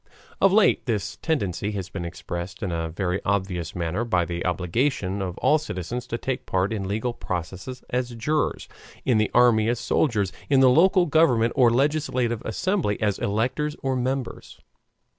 Of late this tendency has been expressed in a very obvious manner by the obligation of all citizens to take part in legal processes as jurors, in the army as soldiers, in the local government, or legislative assembly, as electors or members.